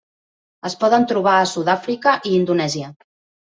Es poden trobar a Sud-àfrica i Indonèsia.